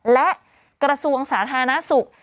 และกระทรวงสาธารณสุข